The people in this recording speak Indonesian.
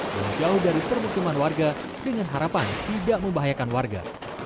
dan jauh dari permukiman warga dengan harapan tidak membahayakan warga